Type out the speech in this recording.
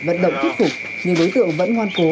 vận động thuyết phục nhưng đối tượng vẫn ngoan cố